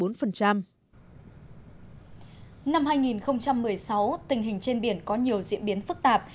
năm hai nghìn một mươi sáu tình hình trên biển có nhiều diễn biến phức tạp